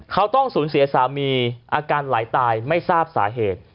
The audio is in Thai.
เขาต้องสูญเสียสามีอาการไหลตายไม่ทราบสาเหตุ